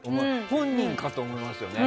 本人かと思いますよね。